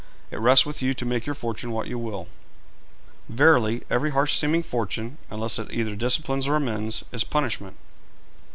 It rests with you to make your fortune what you will. Verily, every harsh seeming fortune, unless it either disciplines or amends, is punishment.'